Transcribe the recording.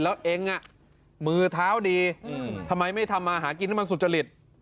แล้วเองอ่ะมือท้าวดีอืมทำไมไม่ทำมาหากินมันสุจริต